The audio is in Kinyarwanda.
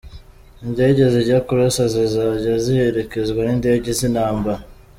Indege zijya kurasa zizajya ziherekezwa n'indege z'intambara.